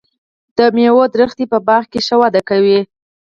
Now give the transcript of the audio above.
د مېوو ونې په باغ کې ښه وده کوي.